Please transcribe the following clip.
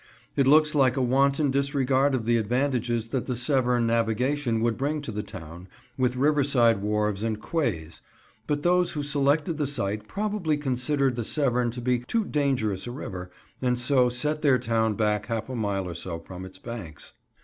It looks like a wanton disregard of the advantages that the Severn navigation would bring to the town, with riverside wharves and quays; but those who selected the site probably considered the Severn to be too dangerous a river, and so set their town back half a mile or so from its banks.